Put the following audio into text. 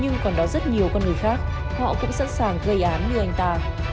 nhưng còn đó rất nhiều con người khác họ cũng sẵn sàng gây án như anh ta